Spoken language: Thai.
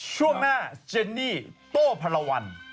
ช่วงหน้าเจนนี่โต้พลวัน